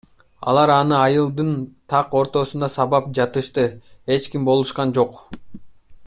Алар аны айылдын так ортосунда сабап жатышты, эч ким болушкан жок.